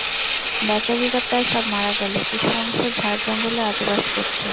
বেচারীরা প্রায় সব মারা গেল, কিছু অংশ ঝাড়-জঙ্গলে আজও বাস করছে।